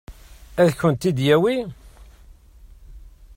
Ad kent-ten-id-yawi?